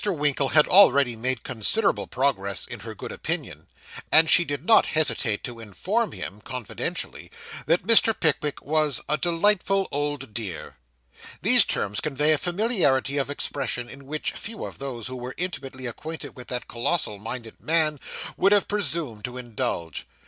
Winkle had already made considerable progress in her good opinion, and she did not hesitate to inform him, confidentially, that Mr. Pickwick was 'a delightful old dear.' These terms convey a familiarity of expression, in which few of those who were intimately acquainted with that colossal minded man, would have presumed to indulge.